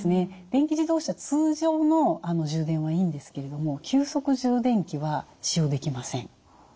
電気自動車通常の充電はいいんですけれども急速充電器は使用できません。